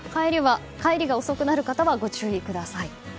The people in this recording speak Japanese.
帰りが遅くなる方はご注意ください。